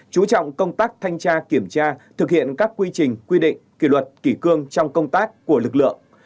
chú trọng công tác thanh tra kiểm tra thực hiện các quy trình quy định kỷ luật kỷ cương trong công tác của lực lượng